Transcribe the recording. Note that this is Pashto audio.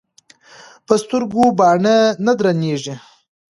ـ په سترګو باڼه نه درنېږي.